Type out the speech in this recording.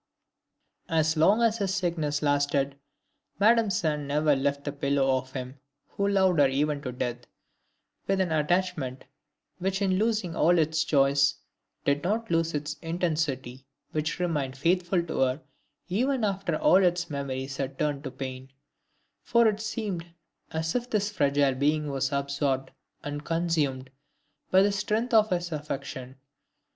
As long as his sickness lasted, Madame Sand never left the pillow of him who loved her even to death, with an attachment which in losing all its joys, did not lose its intensity, which remained faithful to her even after all its memories had turned to pain: "for it seemed as if this fragile being was absorbed and consumed by the strength of his affection....